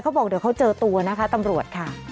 บอกเดี๋ยวเขาเจอตัวนะคะตำรวจค่ะ